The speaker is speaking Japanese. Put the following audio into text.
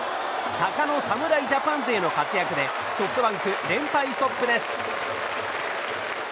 鷹の侍ジャパン勢の活躍でソフトバンク連敗ストップです。